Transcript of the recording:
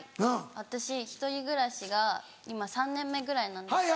私ひとり暮らしが今３年目ぐらいなんですけど。